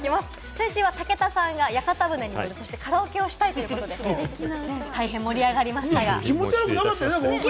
先週は武田さんが屋形船にそしてカラオケをしたいということでね、気持ち悪くなかったよね？